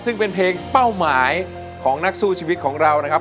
ซึ่งเป็นเพลงเป้าหมายของนักสู้ชีวิตของเรานะครับ